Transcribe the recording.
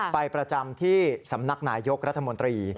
ประจำที่สำนักนายยกรัฐมนตรี